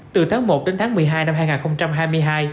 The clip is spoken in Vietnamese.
từ tháng một đến tháng một mươi hai năm hai nghìn hai mươi hai